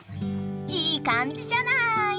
いい感じじゃない！